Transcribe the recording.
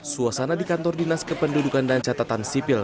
suasana di kantor dinas kependudukan dan catatan sipil